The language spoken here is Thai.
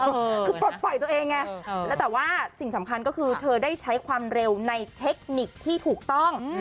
คือปลดปล่อยตัวเองไงแล้วแต่ว่าสิ่งสำคัญก็คือเธอได้ใช้ความเร็วในเทคนิคที่ถูกต้อง